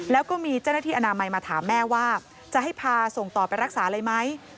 แล้วก็มีเจ้าหน้าที่อนามัยมาถามแม่ว่าจะให้พาส่งต่อไปรักษาเลยไหม